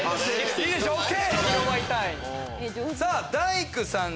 いいでしょうＯＫ。